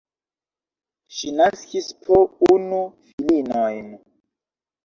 Ŝi naskis po unu filinojn.